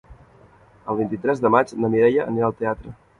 El vint-i-tres de maig na Mireia anirà al teatre.